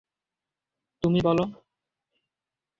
তুমি বলো।